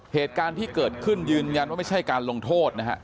เหตุการณ์ที่เกิดขึ้นยืนยันว่าไม่ใช่การลงโทษนะฮะ